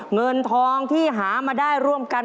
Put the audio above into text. เงินทองที่หามาได้ร่วมกัน